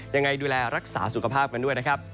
ยังไงดูแลรักษาสุขภาพกันด้วยนะครับ